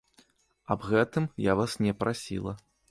Аб гэтым я вас не прасіла.